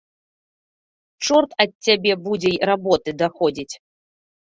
Чорт ад цябе будзе й работы даходзіць.